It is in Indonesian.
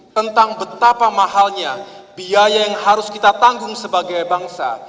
tentang betapa mahalnya biaya yang harus kita tanggung sebagai bangsa